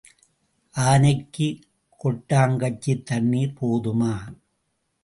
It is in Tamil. ஆனைக்குக் கொட்டாங்கச்சித் தண்ணீர் போதுமா?